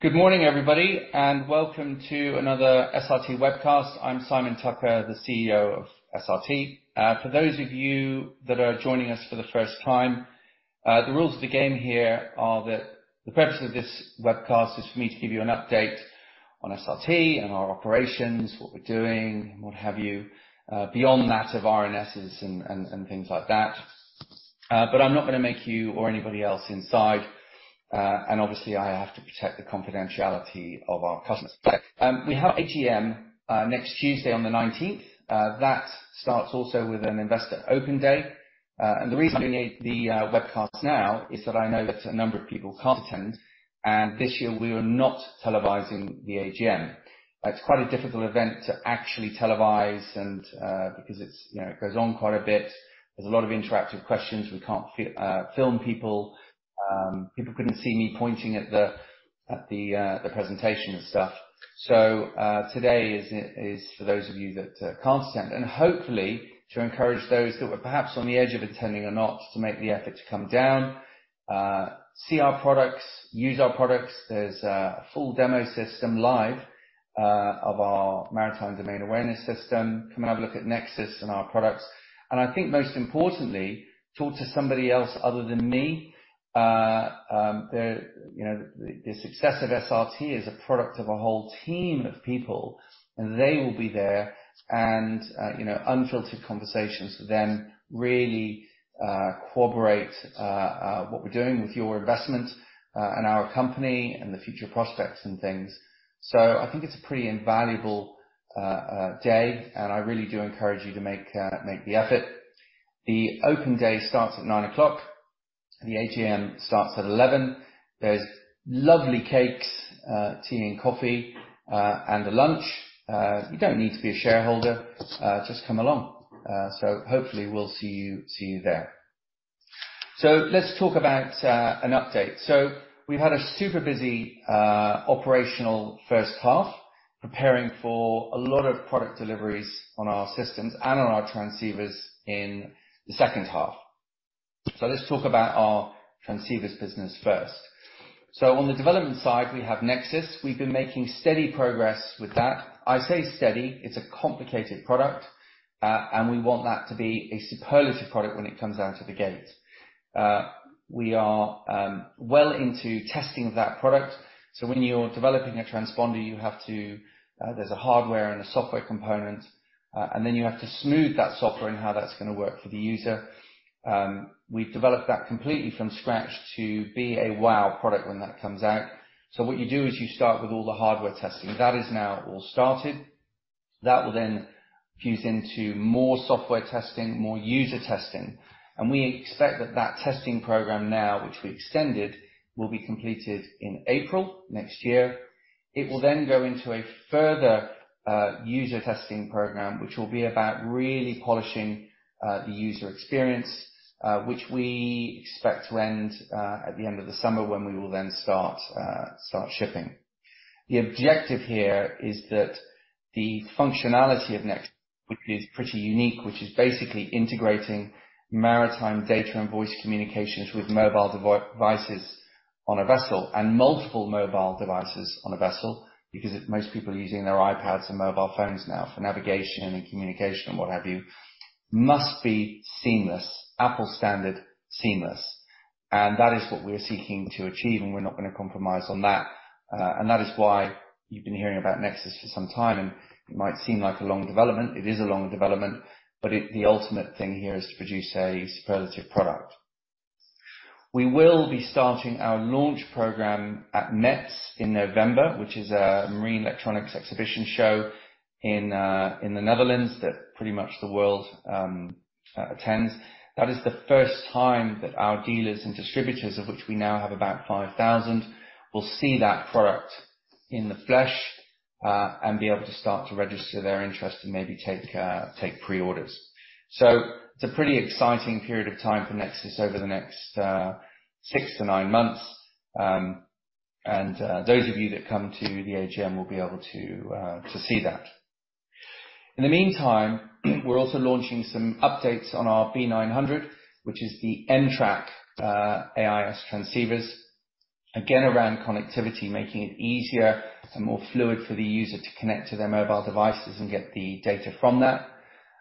Good morning, everybody, and welcome to another SRT webcast. I'm Simon Tucker, the CEO of SRT. For those of you that are joining us for the first time, the rules of the game here are that the purpose of this webcast is for me to give you an update on SRT and our operations, what we're doing, what have you, beyond that of RNSs and things like that. But I'm not gonna make you or anybody else inside, and obviously, I have to protect the confidentiality of our customers. We have AGM next Tuesday on the 19th. That starts also with an Investor Open Day. And the reason I doing the webcast now is that I know that a number of people can't attend, and this year we are not televising the AGM. It's quite a difficult event to actually televise and, because it's, you know, it goes on quite a bit. There's a lot of interactive questions. We can't film people. People couldn't see me pointing at the presentation and stuff. So, today is for those of you that can't attend, and hopefully to encourage those that were perhaps on the edge of attending or not, to make the effort to come down, see our products, use our products. There's a full demo system live of our maritime domain awareness system. Come and have a look at Nexus and our products, and I think most importantly, talk to somebody else other than me. You know, the success of SRT is a product of a whole team of people, and they will be there and, you know, unfiltered conversations with them really corroborate what we're doing with your investment and our company and the future prospects and things. So I think it's a pretty invaluable day, and I really do encourage you to make the effort. The Open Day starts at 9:00 A.M., and the AGM starts at 11:00 A.M. There's lovely cakes, tea and coffee, and a lunch. You don't need to be a shareholder, just come along. So hopefully we'll see you, see you there. So let's talk about an update. So we've had a super busy operational first half, preparing for a lot of product deliveries on our Systems and on our Transceivers in the second half. So let's talk about our Transceivers business first. So on the development side, we have Nexus. We've been making steady progress with that. I say "steady," it's a complicated product, and we want that to be a superlative product when it comes out of the gate. We are well into testing of that product, so when you're developing a transponder, you have to, there's a hardware and a software component, and then you have to smooth that software and how that's gonna work for the user. We've developed that completely from scratch to be a wow product when that comes out. So what you do is you start with all the hardware testing. That is now all started. That will then fuse into more software testing, more user testing, and we expect that that testing program now, which we extended, will be completed in April next year. It will then go into a further user testing program, which will be about really polishing the user experience, which we expect to end at the end of the summer, when we will then start shipping. The objective here is that the functionality of Nexus, which is pretty unique, which is basically integrating maritime data and voice communications with mobile devices on a vessel, and multiple mobile devices on a vessel. Because most people are using their iPads and mobile phones now for navigation and communication and what have you, it must be seamless, Apple standard, seamless, and that is what we're seeking to achieve, and we're not gonna compromise on that. And that is why you've been hearing about Nexus for some time, and it might seem like a long development. It is a long development, but the ultimate thing here is to produce a superlative product. We will be starting our launch program at METS in November, which is a marine electronics exhibition show in the Netherlands, that pretty much the world attends. That is the first time that our dealers and distributors, of which we now have about 5,000, will see that product in the flesh, and be able to start to register their interest and maybe take pre-orders. So it's a pretty exciting period of time for Nexus over the next six to nine months. And those of you that come to the AGM will be able to see that. In the meantime, we're also launching some updates on our B900, which is the Em-trak AIS Transceivers. Again, around connectivity, making it easier and more fluid for the user to connect to their mobile devices and get the data from that.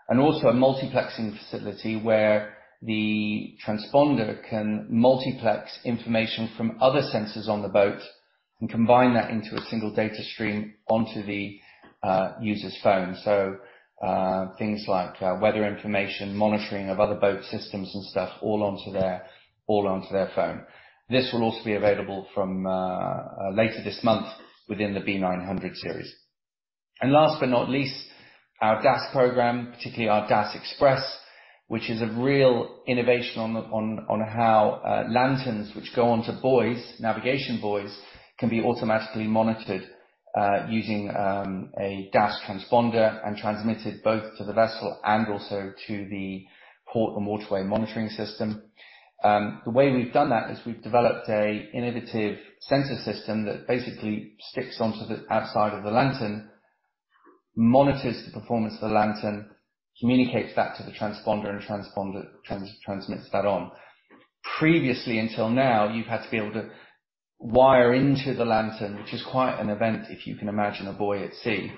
And also a multiplexing facility, where the transponder can multiplex information from other sensors on the boat and combine that into a single data stream onto the user's phone. So things like weather information, monitoring of other boat systems and stuff, all onto their, all onto their phone. This will also be available from later this month within the B900 series. And last but not least, our DAS program, particularly our DAS Express, which is a real innovation on how lanterns, which go on to buoys, navigation buoys, can be automatically monitored using a DAS transponder and transmitted both to the vessel and also to the port and waterway monitoring system. The way we've done that is we've developed an innovative sensor system that basically sticks onto the outside of the lantern, monitors the performance of the lantern, communicates that to the transponder, and transponder transmits that on. Previously, until now, you've had to be able to wire into the lantern, which is quite an event, if you can imagine, a buoy at sea,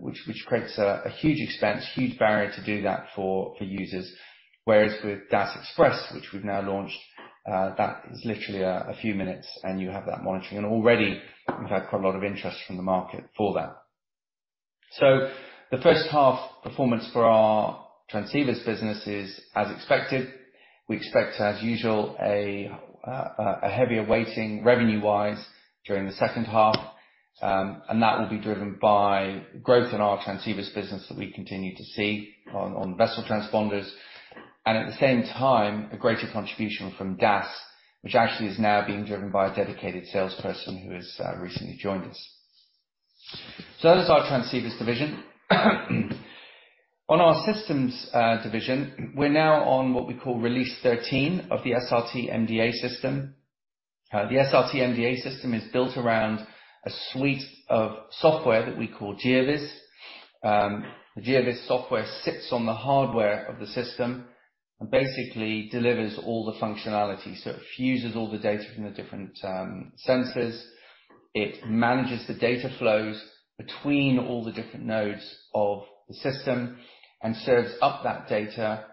which creates a huge expense, huge barrier to do that for users. Whereas with DAS Express, which we've now launched, that is literally a few minutes, and you have that monitoring. And already we've had quite a lot of interest from the market for that. So the first half performance for our Transceivers business is as expected. We expect, as usual, a heavier weighting revenue-wise during the second half. And that will be driven by growth in our Transceivers business that we continue to see on vessel transponders. And at the same time, a greater contribution from DAS, which actually is now being driven by a dedicated salesperson who has recently joined us. So that is our Transceivers division. On our Systems division, we're now on what we call Release 13 of the SRT-MDA system. The SRT-MDA system is built around a suite of software that we call GeoVS. The GeoVS software sits on the hardware of the system and basically delivers all the functionality. So it fuses all the data from the different sensors. It manages the data flows between all the different nodes of the system and serves up that data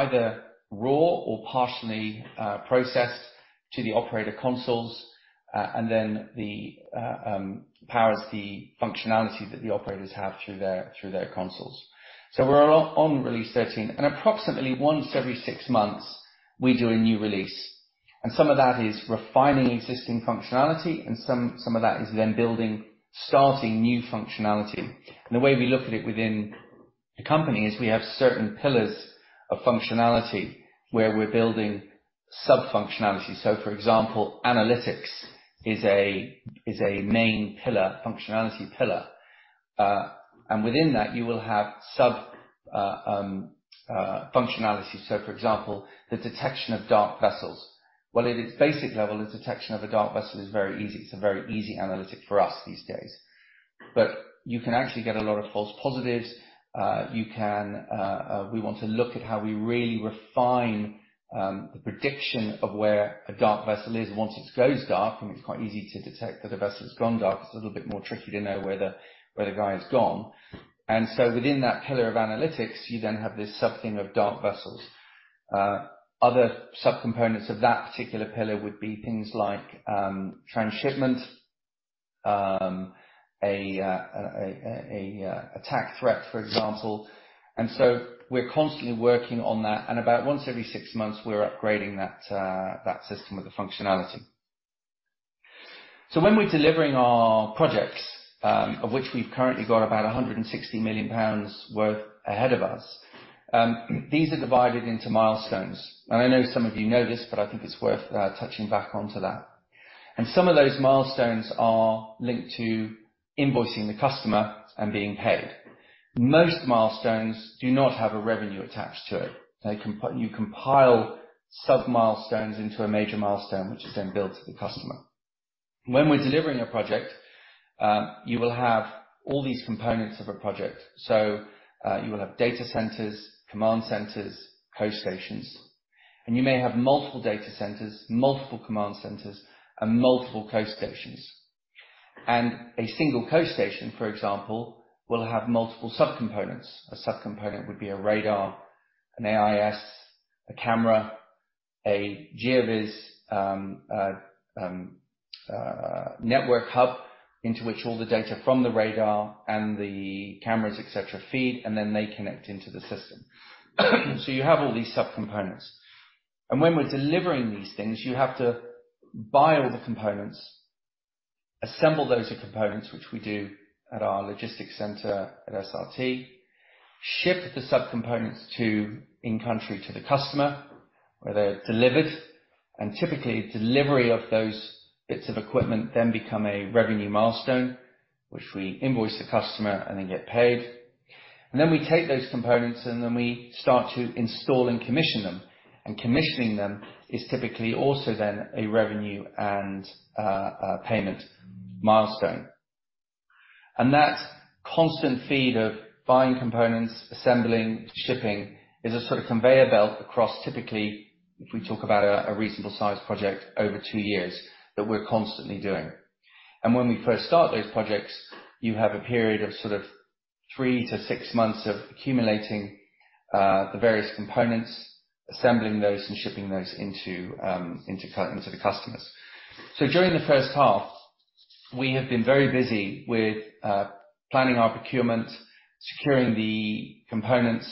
either raw or partially processed to the operator consoles, and then the powers the functionality that the operators have through their consoles. So we're on Release 13, and approximately once every six months, we do a new release, and some of that is refining existing functionality, and some of that is then building, starting new functionality. And the way we look at it within the company is we have certain pillars of functionality where we're building sub-functionality. So for example, analytics is a main pillar, functionality pillar, and within that, you will have sub-functionalities. So for example, the detection of Dark Vessels. Well, at its basic level, the detection of a Dark Vessel is very easy. It's a very easy analytic for us these days. But you can actually get a lot of false positives. We want to look at how we really refine the prediction of where a Dark Vessel is once it goes dark, and it's quite easy to detect that a vessel's gone dark. It's a little bit more tricky to know where the guy has gone. And so within that pillar of analytics, you then have this sub-theme of Dark Vessels. Other subcomponents of that particular pillar would be things like transshipment, attack threat, for example. So we're constantly working on that, and about once every six months, we're upgrading that system with the functionality. So when we're delivering our projects, of which we've currently got about 160 million pounds worth ahead of us, these are divided into milestones. I know some of you know this, but I think it's worth touching back onto that. Some of those milestones are linked to invoicing the customer and being paid. Most milestones do not have a revenue attached to it. You compile sub-milestones into a major milestone, which is then billed to the customer. When we're delivering a project, you will have all these components of a project. So, you will have data centers, command centers, coast stations, and you may have multiple data centers, multiple command centers, and multiple coast stations. A single coast station, for example, will have multiple subcomponents. A subcomponent would be a Radar, an AIS, a camera, a GeoVS, network hub, into which all the data from the Radar and the cameras, et cetera, feed, and then they connect into the system. So you have all these subcomponents, and when we're delivering these things, you have to buy all the components, assemble those components, which we do at our logistics center at SRT, ship the subcomponents to in country to the customer, where they're delivered, and typically, delivery of those bits of equipment then become a revenue milestone, which we invoice the customer and then get paid. Then we take those components, and then we start to install and commission them. And commissioning them is typically also then a revenue and payment milestone. And that constant feed of buying components, assembling, shipping, is a sort of conveyor belt across typically, if we talk about a reasonable-sized project over two years, that we're constantly doing. And when we first start those projects, you have a period of sort of three to six months of accumulating the various components, assembling those, and shipping those into the customers. So during the first half, we have been very busy with planning our procurement, securing the components,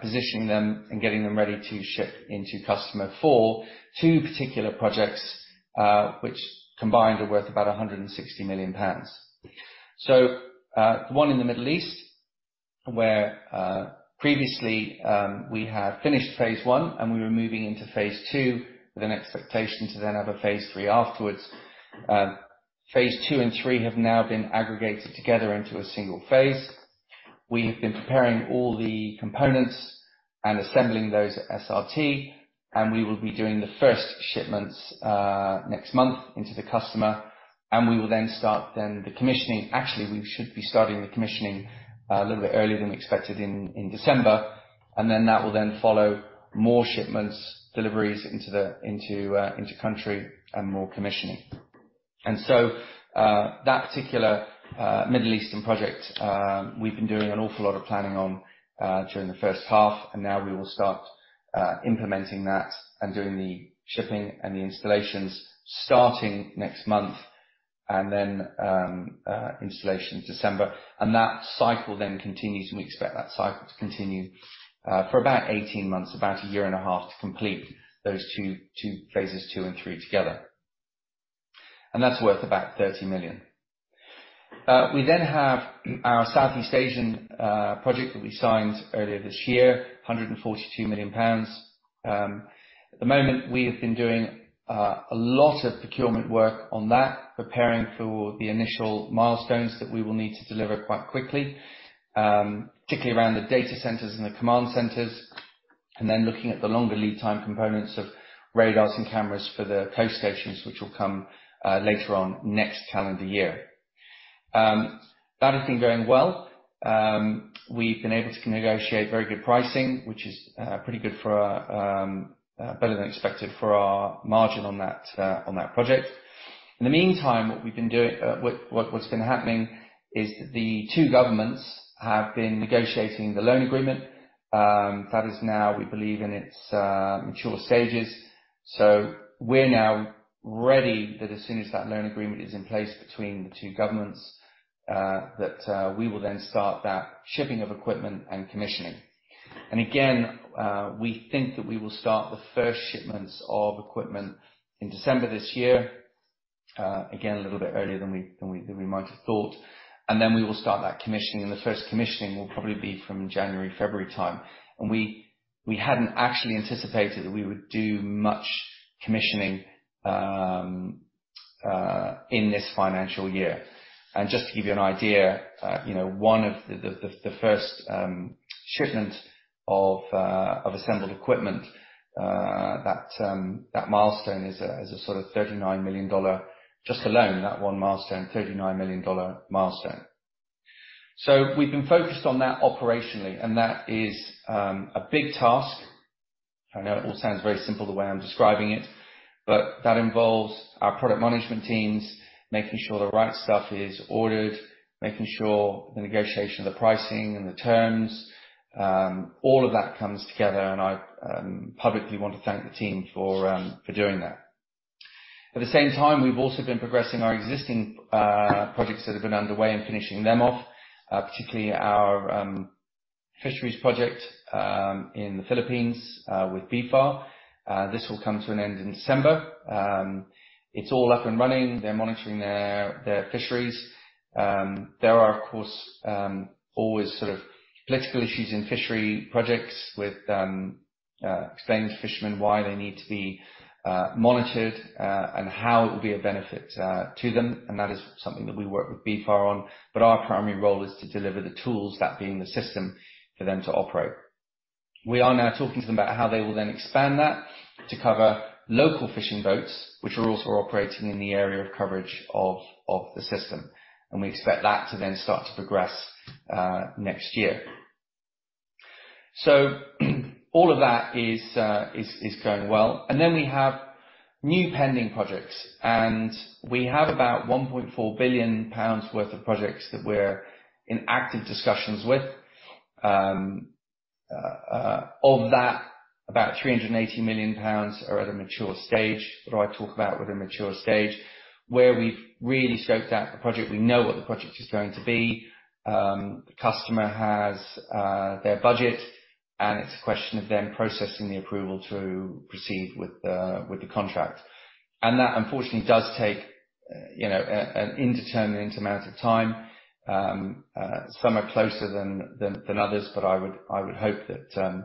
positioning them, and getting them ready to ship into customer for two particular projects, which combined, are worth about 160 million pounds. So, one in the Middle East, where, previously, we had finished phase I, and we were moving into phase II with an expectation to then have a phase III afterwards. Phase II and phase III have now been aggregated together into a single phase. We have been preparing all the components and assembling those at SRT, and we will be doing the first shipments, next month into the customer, and we will then start the commissioning. Actually, we should be starting the commissioning a little bit earlier than we expected in December, and then that will then follow more shipments, deliveries into the country and more commissioning. So, that particular Middle East project, we've been doing an awful lot of planning on during the first half, and now we will start implementing that and doing the shipping and the installations starting next month, and then installation December. That cycle then continues, and we expect that cycle to continue for about 18 months, about a year and a half, to complete those two phases, phase II and phase III together. And that's worth about 30 million. We then have our Southeast Asia project that we signed earlier this year, 142 million pounds. At the moment, we have been doing a lot of procurement work on that, preparing for the initial milestones that we will need to deliver quite quickly, particularly around the data centers and the command centers, and then looking at the longer lead time components of radars and cameras for the coast stations, which will come later on next calendar year. That has been going well. We've been able to negotiate very good pricing, which is pretty good for, better than expected for our margin on that, on that project. In the meantime, what's been happening is the two governments have been negotiating the loan agreement. That is now we believe in its mature stages. So we're now ready that as soon as that loan agreement is in place between the two governments, that we will then start that shipping of equipment and commissioning. And again, we think that we will start the first shipments of equipment in December this year. Again, a little bit earlier than we might have thought. And then we will start that commissioning, and the first commissioning will probably be from January, February time. And we hadn't actually anticipated that we would do much commissioning in this financial year. And just to give you an idea, you know, one of the first shipment of assembled equipment, that milestone is a sort of $39 million. Just alone, that one milestone, $39 million milestone. So we've been focused on that operationally, and that is a big task. I know it all sounds very simple the way I'm describing it, but that involves our product management teams, making sure the right stuff is ordered, making sure the negotiation of the pricing and the terms. All of that comes together, and I publicly want to thank the team for doing that. At the same time, we've also been progressing our existing projects that have been underway and finishing them off, particularly our fisheries project in the Philippines with BFAR. This will come to an end in December. It's all up and running. They're monitoring their fisheries. There are, of course, always sort of political issues in fishery projects with explaining to fishermen why they need to be monitored, and how it will be a benefit to them, and that is something that we work with BFAR on. But our primary role is to deliver the tools, that being the system, for them to operate. We are now talking to them about how they will then expand that to cover local fishing boats, which are also operating in the area of coverage of the system, and we expect that to then start to progress next year. So all of that is going well. And then we have new pending projects, and we have about 1.4 billion pounds worth of projects that we're in active discussions with, of that, about 380 million pounds are at a mature stage. What do I talk about with a mature stage? Where we've really scoped out the project, we know what the project is going to be, the customer has their budget, and it's a question of them processing the approval to proceed with the contract. And that, unfortunately, does take, you know, an indeterminate amount of time. Some are closer than others, but I would, I would hope that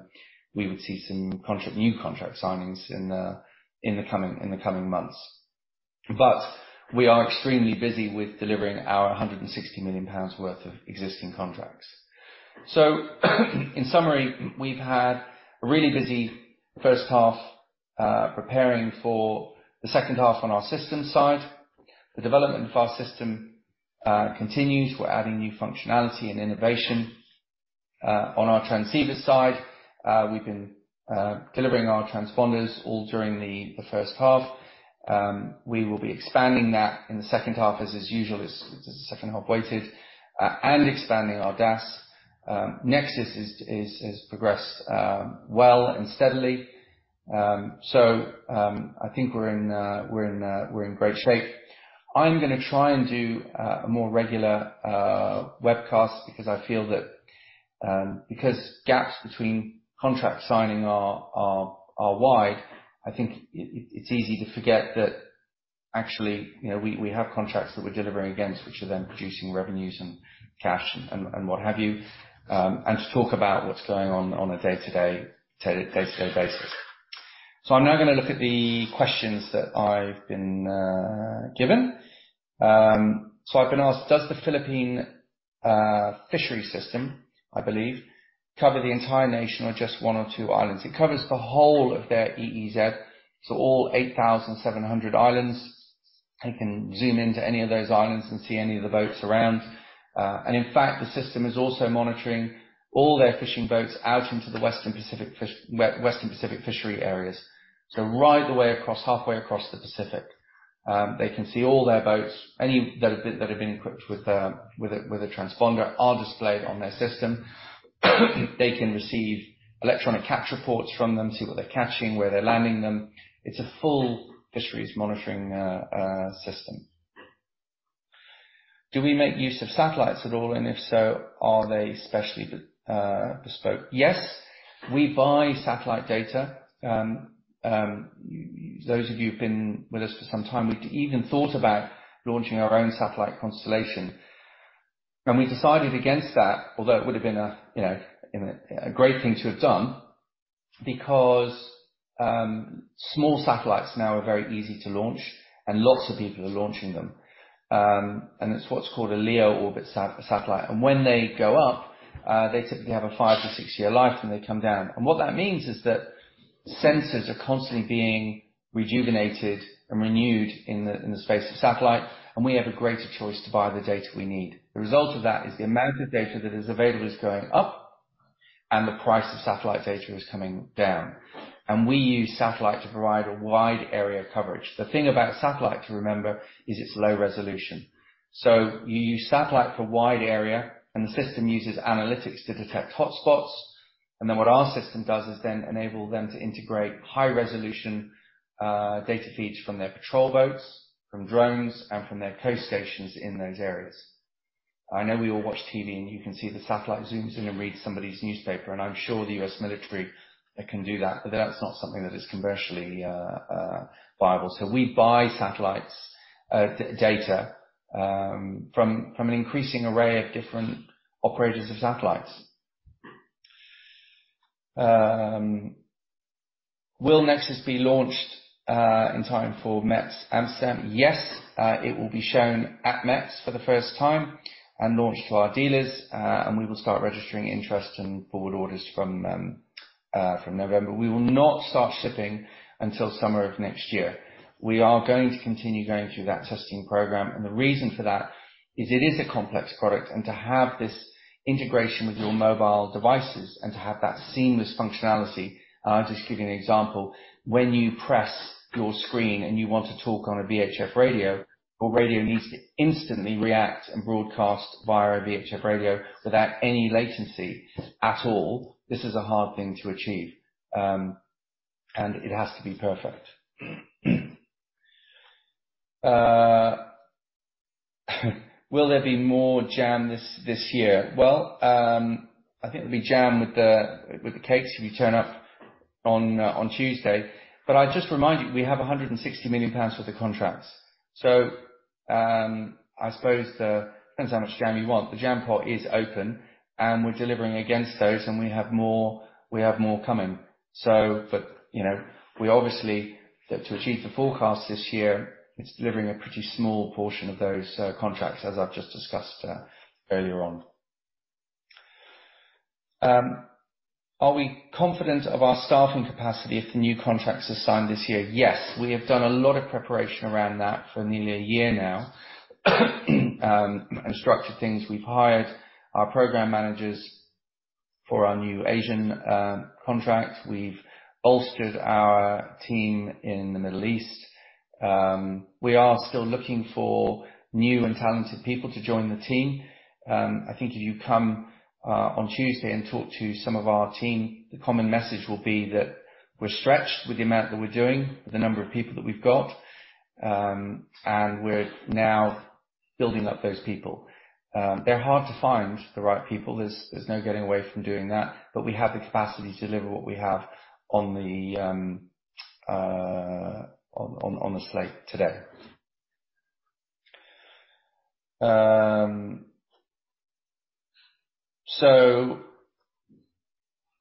we would see some new contract signings in the coming months. But we are extremely busy with delivering our 160 million pounds worth of existing contracts. So in summary, we've had a really busy first half, preparing for the second half on our System side. The development of our System continues. We're adding new functionality and innovation. On our Transceiver side, we've been delivering our transponders all during the first half. We will be expanding that in the second half, as is usual, as the second half weighted, and expanding our DAS. Nexus is progressed well and steadily. So, I think we're in great shape. I'm gonna try and do a more regular webcast because I feel that because gaps between contract signing are wide, I think it's easy to forget that actually, you know, we have contracts that we're delivering against, which are then producing revenues and cash and what have you, and to talk about what's going on on a day-to-day basis. So I'm now gonna look at the questions that I've been given. So I've been asked, Does the Philippine fishery system, I believe, cover the entire nation or just one or two islands? It covers the whole of their EEZ, so all 8,700 islands. You can zoom into any of those islands and see any of the boats around. And in fact, the system is also monitoring all their fishing boats out into the Western Pacific fishery areas. So right the way across, halfway across the Pacific, they can see all their boats. Any that have been equipped with a transponder are displayed on their system. They can receive electronic catch reports from them, see what they're catching, where they're landing them. It's a full fisheries monitoring system. Do we make use of satellites at all, and if so, are they specially bespoke? Yes, we buy satellite data. Those of you who've been with us for some time, we've even thought about launching our own satellite constellation, and we decided against that, although it would have been a, you know, a great thing to have done, because small satellites now are very easy to launch, and lots of people are launching them. And it's what's called a LEO orbit satellite. And when they go up, they typically have a five to six year life, and they come down. And what that means is that sensors are constantly being rejuvenated and renewed in the space of satellite, and we have a greater choice to buy the data we need. The result of that is the amount of data that is available is going up, and the price of satellite data is coming down. We use satellite to provide a wide area of coverage. The thing about satellite, to remember, is it's low resolution. You use satellite for wide area, and the system uses analytics to detect hotspots, and then what our system does, is then enable them to integrate high-resolution data feeds from their patrol boats, from drones, and from their coast stations in those areas. I know we all watch TV, and you can see the satellite zooms in and reads somebody's newspaper, and I'm sure the U.S. military can do that, but that's not something that is commercially viable. We buy satellite data from an increasing array of different operators of satellites. Will Nexus be launched in time for METS Amsterdam? Yes, it will be shown at METS for the first time and launched to our dealers, and we will start registering interest and board orders from November. We will not start shipping until summer of next year. We are going to continue going through that testing program, and the reason for that is it is a complex product, and to have this integration with your mobile devices and to have that seamless functionality. I'll just give you an example: When you press your screen and you want to talk on a VHF radio, your radio needs to instantly react and broadcast via a VHF radio without any latency at all. This is a hard thing to achieve, and it has to be perfect. Will there be more jam this year? Well, I think there'll be jam with the cakes if you turn up on Tuesday. But I just remind you, we have 160 million pounds with the contracts. So, I suppose, depends how much jam you want. The jam pot is open, and we're delivering against those, and we have more, we have more coming. But, you know, we obviously, to achieve the forecast this year, it's delivering a pretty small portion of those contracts, as I've just discussed earlier on. Are we confident of our staffing capacity if the new contracts are signed this year? Yes, we have done a lot of preparation around that for nearly a year now, and structured things. We've hired our program managers for our new Asian contract. We've bolstered our team in the Middle East. We are still looking for new and talented people to join the team. I think if you come on Tuesday and talk to some of our team, the common message will be that we're stretched with the amount that we're doing, with the number of people that we've got, and we're now building up those people. They're hard to find, the right people. There's no getting away from doing that, but we have the capacity to deliver what we have on the slate today. So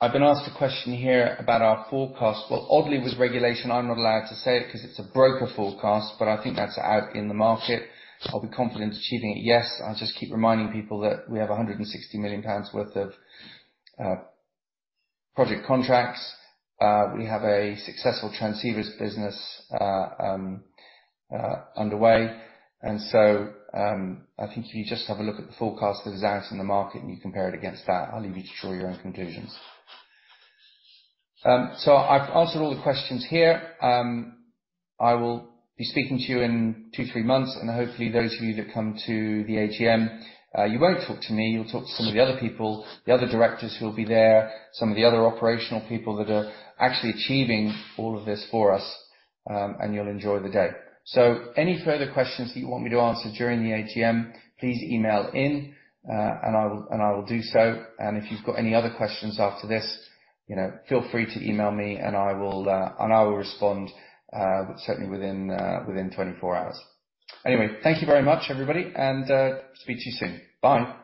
I've been asked a question here about our forecast. Well, oddly, with regulation, I'm not allowed to say it because it's a broker forecast, but I think that's out in the market. I'll be confident achieving it. Yes, I'll just keep reminding people that we have 160 million pounds worth of project contracts. We have a successful Transceivers business underway. And so, I think if you just have a look at the forecast that is out in the market and you compare it against that, I'll leave you to draw your own conclusions. So I've answered all the questions here. I will be speaking to you in two, three months, and hopefully, those of you that come to the AGM, you won't talk to me, you'll talk to some of the other people, the other directors who will be there, some of the other operational people that are actually achieving all of this for us, and you'll enjoy the day. So any further questions that you want me to answer during the AGM, please email in, and I will do so. And if you've got any other questions after this, you know, feel free to email me and I will respond, certainly within 24 hours. Anyway, thank you very much, everybody, and speak to you soon. Bye.